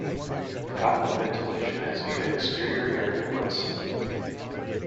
Cockpit ventilation is via exterior air inlets.